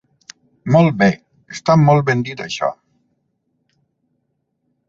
Molt bé! Està molt ben dit, això!